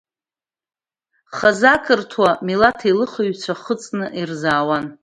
Хазы ақырҭуа милаҭеилыхҩцәа хыҵны ирзаауан.